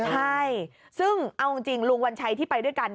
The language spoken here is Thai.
ใช่ซึ่งเอาจริงลุงวัญชัยที่ไปด้วยกัน